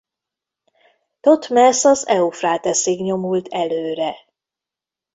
Thotmesz az Eufráteszig nyomult előre.